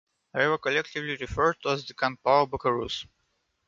They were collectively referred to as the Kung-Pao Buckaroos.